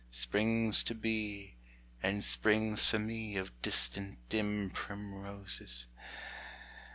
Springs to be, and springs for me Of distant dim primroses.